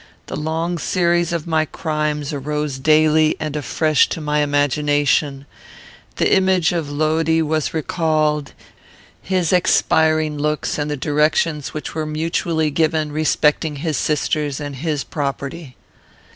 The long series of my crimes arose daily and afresh to my imagination. The image of Lodi was recalled, his expiring looks and the directions which were mutually given respecting his sister's and his property.